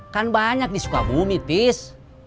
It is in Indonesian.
kan banyak di sukabumi pis